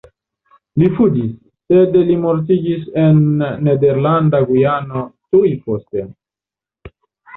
Li fuĝis, sed li mortiĝis en Nederlanda Gujano tuj poste.